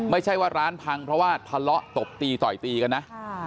ไม่ใช่ว่าร้านพังเพราะว่าทะเลาะตบตีต่อยตีกันนะ